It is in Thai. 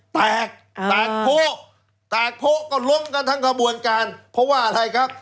แตกแตกโภแตกโภก็ล้มกันทั้งกระบวนการเพราะว่าอะไรครับ